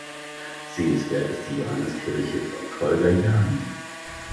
Sehenswert ist die Johannes-Kirche von Kolga-Jaani.